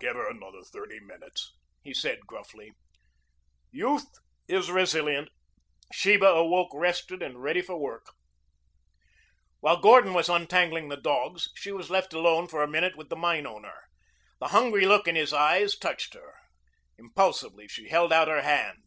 "Give her another thirty minutes," he said gruffly. Youth is resilient. Sheba awoke rested and ready for work. While Gordon was untangling the dogs she was left alone for a minute with the mine owner. The hungry look in his eyes touched her. Impulsively she held out her hand.